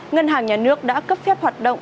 ngân hàng nhà nước đã cấp phép hoạt động